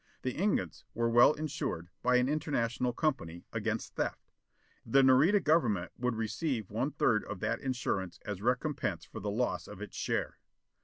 The ingots were well insured, by an international company, against theft. The Nareda government would receive one third of that insurance as recompense for the loss of its share.